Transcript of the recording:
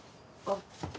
あっ。